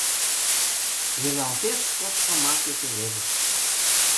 Велалтеш кодшо маке пеледыш.